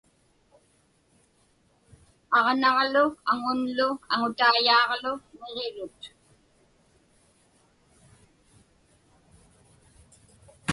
Aġnaġlu aŋunlu aŋutaiyaaġlu niġirut.